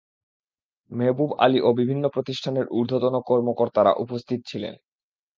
মেহবুব আলী ও বিভিন্ন প্রতিষ্ঠানের ঊর্ধ্বতন কর্মকর্তারা উপস্থিত ছিলেন।